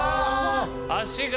足が！